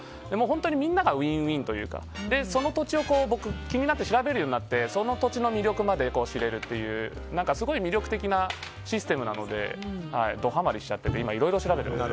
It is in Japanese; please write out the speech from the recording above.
みんながウィンウィンというかその土地が気になって調べるようになってその土地の魅力まで知れるというすごく魅力的なシステムなのでドハマリしちゃってていろいろ調べてます。